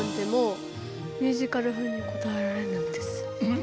ん？